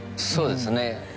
そうですね。